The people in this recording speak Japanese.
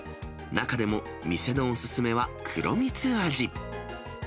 中でも店のお勧めは黒蜜味。